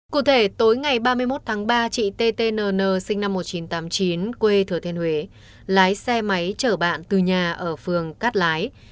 cụ thể tối ngày ba mươi một tháng ba chị ttn sinh năm một nghìn chín trăm tám mươi chín quê thừa thiên huế lái xe máy chở bạn từ nhà ở phường cát lái